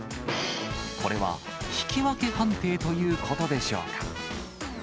これは引き分け判定ということでしょうか。